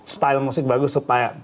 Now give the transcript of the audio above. style musik bagus